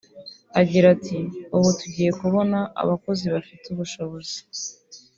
Agira ati “Ubu tugiye kubona abakozi bafite ubushobozi